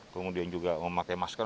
kemudian juga memakai masker